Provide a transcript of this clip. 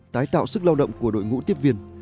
tái tạo sức lao động của đội ngũ tiếp viên